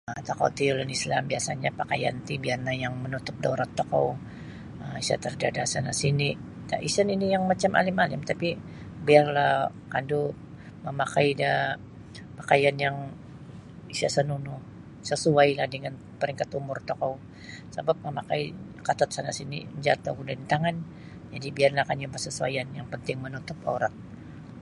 Tokou ti ulun Islam biasanyo pakaian ti mianai yang manutup da aurat tokou um isa' terdedah sana' sini' ka' isa' nini' yang macam alim-alim tapi' biarlah kandu mamakai da pakaian yang isa' sanonoh sasuailah dengan peringkat umur tokou sabap mamakai katat sana sini' majaat ogu da intangan jadi' biarlah kanyu bersesuaian yang penting manutup aurat.